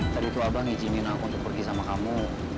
tadi tuh abang izinin aku untuk pergi sama kamu